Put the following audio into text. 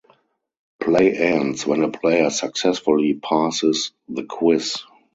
Play ends when a player successfully passes the quiz.